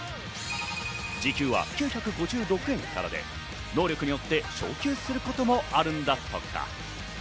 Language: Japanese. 時給は９５６円からで能力によって昇給することもあるんだとか。